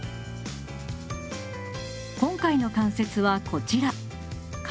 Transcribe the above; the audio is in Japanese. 今回の関節はこちら肩。